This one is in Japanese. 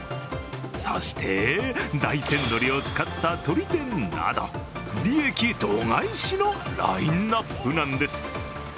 そして、大山鶏を使ったとり天など利益度外視のラインナップなんです。